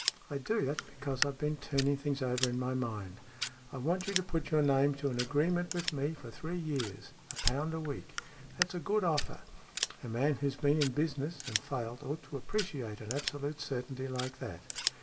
" I do. That's because I've been turning things over in my mind. I want you to put your name to an agreement with me for three years. A pound a week. That's a good offer. A man who's been in business, and failed, ought to appreciate an absolute certainty like that."